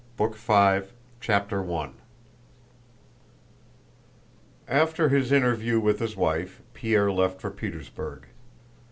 BOOK FIVE: 1806 07 CHAPTER I After his interview with his wife Pierre left for Petersburg.